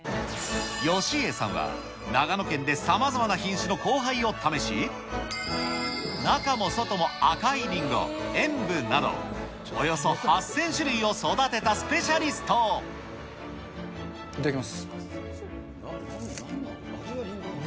吉家さんは、長野県でさまざまな品種の交配を試し、中も外も赤いりんご、炎舞など、およそ８０００種類を育てたスペいただきます。